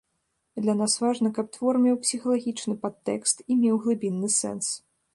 Для нас важна, каб твор меў псіхалагічны падтэкст і меў глыбінны сэнс.